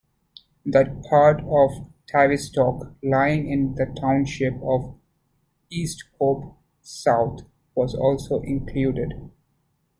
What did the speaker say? That part of Tavistock lying in the township of Easthope South was also included.